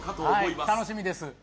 はい楽しみです